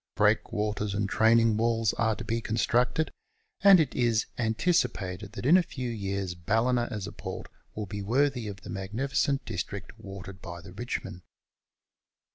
Breakwaters and training walls are to be constructed, and it is anticipated that in a few years Ballina as a port will be worthy of the magnificent district watered by the Eichmoud.